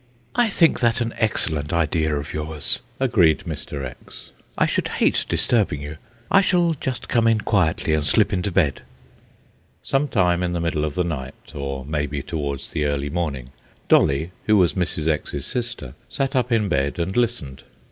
"I think that an excellent idea of yours," agreed Mr. X. "I should hate disturbing you. I shall just come in quietly, and slip into bed." Some time in the middle of the night, or maybe towards the early morning, Dolly, who was Mrs. X.'s sister, sat up in bed and listened.